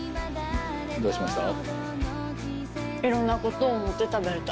どうしました？